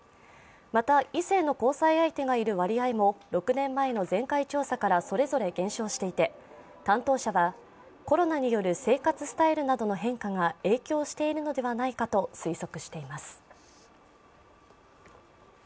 また、異性の交際相手がいる割合も６年前の前回調査からそれぞれ減少していて担当者は、コロナによる生活スタイルなどの変化が影響しているのではないかと推測しています。